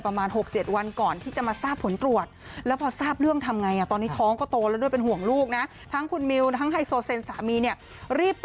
เพราะว่ามาทราบว่าคนขับรถติดโควิด